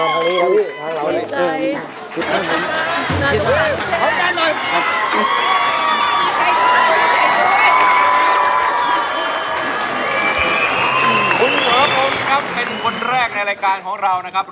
คุณหมอพงศ์ครับเป็นคนแรกในรายการของเรานะครับ